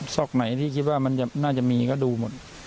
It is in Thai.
ซอกไหนที่คิดว่ามันน่าจะมีก็ดูหมด